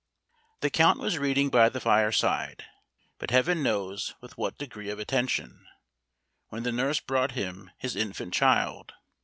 The count was reading by the fireside, but Heaven knows with what degree of attention, when the nurse brought him his infant child.